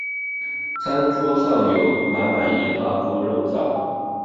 餐桌上有满满一大锅肉燥